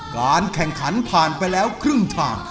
การแข่งขันผ่านไปแล้วครึ่งทาง